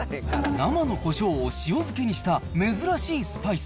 生のこしょうを塩漬けにした、珍しいスパイス。